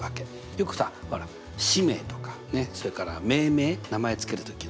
よくさほら「使命」とかそれから「命名」名前付ける時の。